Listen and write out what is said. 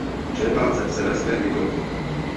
Čerpá ze severské mytologie.